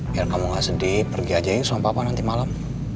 biar kamu gak sedih pergi aja aja nih sama papa nanti malem